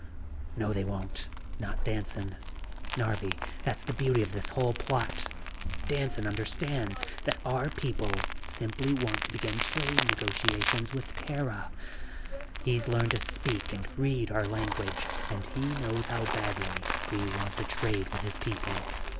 "No they won't, not Danson. Narvi, that's the beauty of this whole plot. Danson understands that our people simply want to begin trade negotiations with Terra; he's learned to speak and read our language and he knows how badly we want to trade with his people.